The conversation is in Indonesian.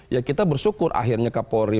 ya kita bersyukur akhirnya kapolri